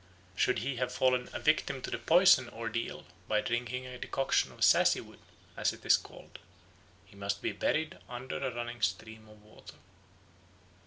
Should he have fallen a victim to the poison ordeal by drinking a decoction of sassywood, as it is called, he must be buried under a running stream of water.